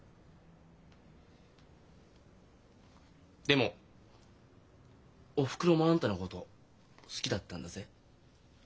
でもおふくろもあんたのこと好きだったんだぜ。